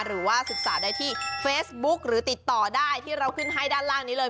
หรือว่าศึกษาได้ที่เฟซบุ๊กหรือติดต่อได้ที่เราขึ้นให้ด้านล่างนี้เลย